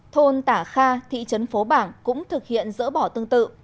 thôn tả kha thị trấn phố bảng cũng thực hiện dỡ bỏ tương tự